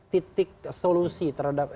titik solusi terhadap